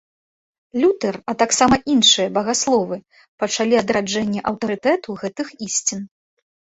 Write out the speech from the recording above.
Лютэр, а таксама іншыя багасловы пачалі адраджэнне аўтарытэту гэтых ісцін.